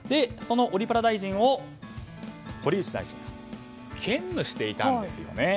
そのオリパラ大臣を堀内大臣は兼務していたんです。